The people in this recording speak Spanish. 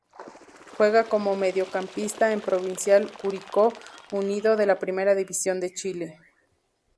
Juega como Mediocampista en Provincial Curicó Unido de la Primera División de Chile.